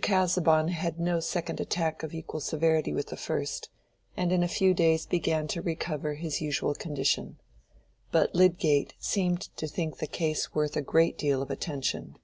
Casaubon had no second attack of equal severity with the first, and in a few days began to recover his usual condition. But Lydgate seemed to think the case worth a great deal of attention.